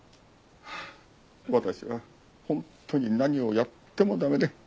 私は本当に何をやっても駄目で。